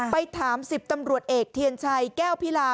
ไปถาม๑๐ตำรวจเอกเทียนชัยแก้วพิลา